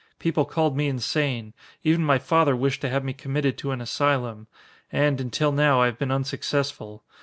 People called me insane even my father wished to have me committed to an asylum. And, until now, I have been unsuccessful.